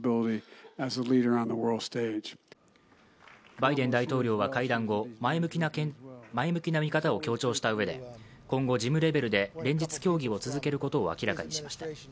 バイデン大統領は会談後、前向きな見方を強調したうえで今後、事務レベルで連日協議を続けることを明らかにしました。